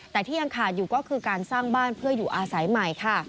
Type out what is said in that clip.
แต่ที่ยังขาดอยู่ก็คือการสร้างบ้านเพื่ออยู่อาศัยใหม่ค่ะ